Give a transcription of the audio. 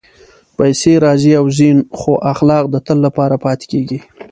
پېسې راځي او ځي، خو اخلاق د تل لپاره پاتې کېږي.